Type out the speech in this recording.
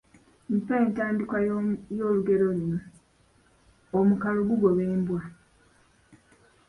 Mpa entandikwa y’olugero luno: ….…,omukalo gugoba embwa.